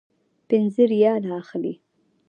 پنځه ریاله اخلي.